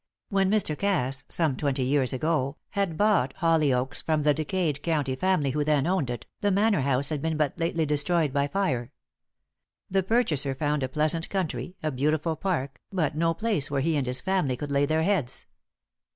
When Mr. Cass, some twenty years ago, had bought Hollyoaks from the decayed county family who then owned it, the manor house had been but lately destroyed by fire. The purchaser found a pleasant country, a beautiful park, but no place where he and his family could lay their heads.